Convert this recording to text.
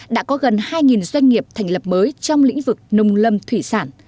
hai doanh nghiệp thành lập mới trong lĩnh vực nông lâm thủy sản